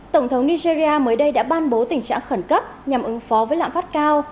tổng thống nigeria mới đây đã ban bố tình trạng khẩn cấp nhằm ứng phó với lãng phát cao